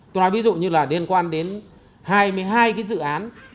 tôi nói ví dụ như là liên quan đến hai mươi hai cái dự án